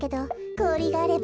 こおりがあれば。